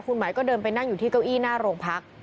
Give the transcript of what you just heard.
คุณหมายก็เดินไปนั่งอยู่ที่เก้าอี้หน้าโรงพัก